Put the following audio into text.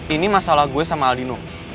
ini masalah gue sama aldino